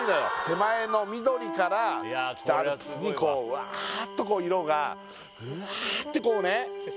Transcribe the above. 手前の緑から北アルプスにこううわっとこう色がってこうね